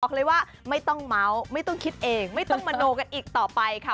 เลยว่าไม่ต้องเมาส์ไม่ต้องคิดเองไม่ต้องมโนกันอีกต่อไปค่ะ